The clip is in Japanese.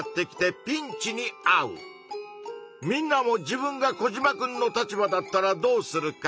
みんなも自分がコジマくんの立場だったらどうするか？